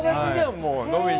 もう。